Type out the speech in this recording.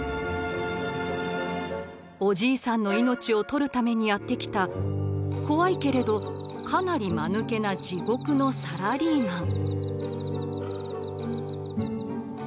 おじいさんの命を取るためにやって来た怖いけれどかなりまぬけな地獄のサラリーマン。